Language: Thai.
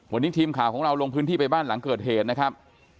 วันนี้ทีมข่าวของเราลงพื้นที่ไปบ้านหลังเกิดเหตุนะครับ